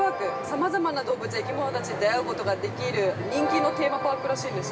さまざまな動物や生き物たちに出会うことができる人気のテーマパークらしいんです。